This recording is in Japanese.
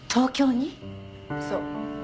そう。